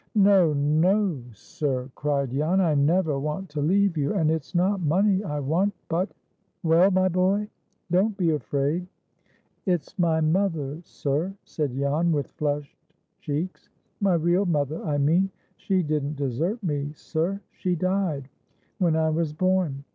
"No, no, sir!" cried Jan. "I never want to leave you; and it's not money I want, but"— "Well, my boy? Don't be afraid." "It's my mother, sir," said Jan, with flushed cheeks. "My real mother, I mean. She didn't desert me, sir; she died—when I was born.